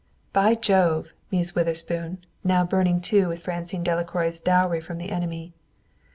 "By Jove!" mused Witherspoon, now burning to with Francine Delacroix's dowry from the enemy.